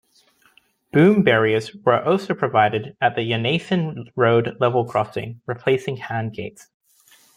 Boom barriers were also provided at the Yannathan Road level crossing, replacing hand gates.